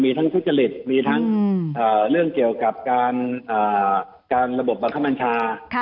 มีทั้งทุจริตมีทั้งอ่าเรื่องเกี่ยวกับการอ่าการระบบบัคมัญชาค่ะ